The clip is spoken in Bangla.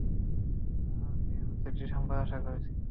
আর বিয়ে হচ্ছে ডিসেম্বরে আশা করছি।